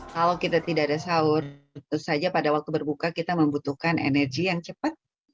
kalau kita tidak ada sahur tentu saja pada waktu berbuka kita membutuhkan energi yang cepat